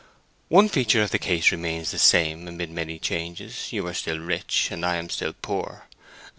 One feature of the case remains the same amid many changes. You are still rich, and I am still poor.